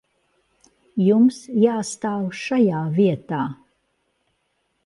Jums jāstāv šajā vietā.